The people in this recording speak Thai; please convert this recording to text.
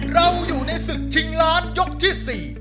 เราอยู่ในศึกชิงล้านยกที่๔